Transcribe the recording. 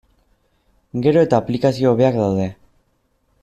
Gero eta aplikazio hobeak daude.